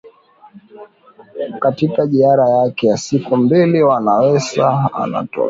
katika jiara yake ya siku mbili wanawesa anatarajio